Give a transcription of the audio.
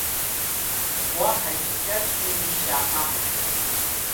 Уаҳа иркьаҿны ҩышьа амамызт.